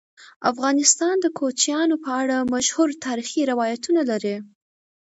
افغانستان د کوچیان په اړه مشهور تاریخی روایتونه لري.